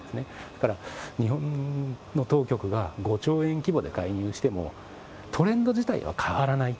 だから、日本の当局が５兆円規模で介入してもトレンド自体は変わらない。